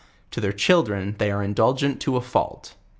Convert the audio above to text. To their children they are indulgent to a fault.